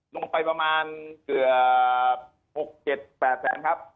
ลงไปประมาณเกือบ๖๗๘แสนครับ